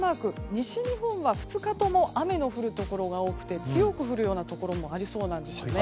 西日本は２日とも雨の降るところが多くて強く降るようなところもありそうなんですよね。